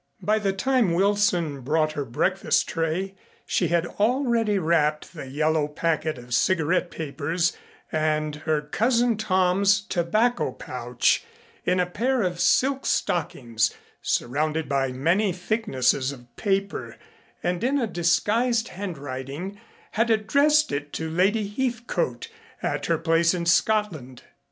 By the time Wilson brought her breakfast tray she had already wrapped the yellow packet of cigarette papers and her Cousin Tom's tobacco pouch in a pair of silk stockings surrounded by many thicknesses of paper and in a disguised handwriting had addressed it to Lady Heathcote at her place in Scotland.